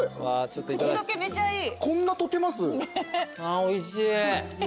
あおいしい。